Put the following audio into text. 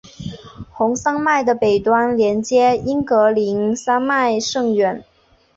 红山脉的北端连接英格林山脉甚远。